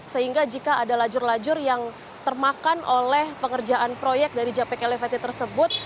sehingga jika ada lajur lajur yang termakan oleh pengerjaan proyek dari japek elevated tersebut